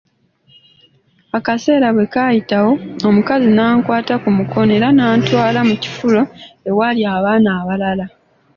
Akaseera bwe kaayitawo, omukazi n'ankwata ku mukono era n'antwala mu kifro ewaali abaana abalala.